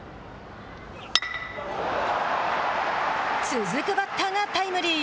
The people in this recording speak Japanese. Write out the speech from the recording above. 続くバッターがタイムリー。